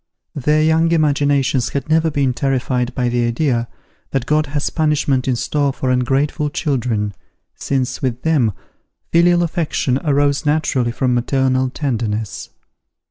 Their young imaginations had never been terrified by the idea that God has punishment in store for ungrateful children, since, with them, filial affection arose naturally from maternal tenderness.